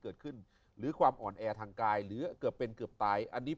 เกิดขึ้นหรือความอ่อนแอทางกายหรือเกือบเป็นเกือบตายอันนี้